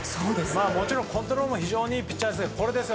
もちろんコントロールも非常にいいピッチャーです。